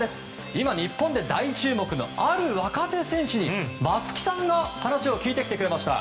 今、日本で大注目のある若手選手に、松木さんが話を聞いてきてくれました。